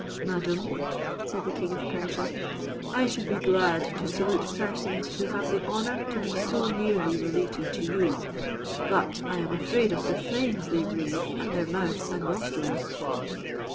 "Madam," said the king of Persia, "I should be glad to salute persons who have the honour to be so nearly related to you, but I am afraid of the flames they breathe at their mouths and nostrils."